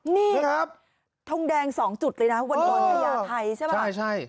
นี่ทงแดง๒จุดเลยนะวันต่อประยาไทยใช่ปะ